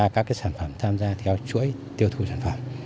các sản phẩm tham gia theo chuỗi tiêu thụ sản phẩm